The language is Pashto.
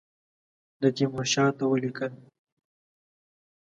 ده تیمورشاه ته ولیکل.